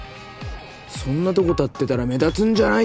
そんなとこ立ってたら目立つんじゃない？